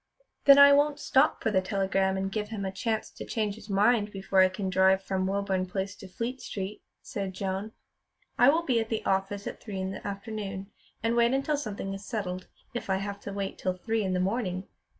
"Then I won't stop for the telegram and give him a chance to change his mind before I can drive from Woburn Place to Fleet Street," said Joan. "I will be at the office at three in the afternoon, and wait until something is settled, if I have to wait till three in the morning."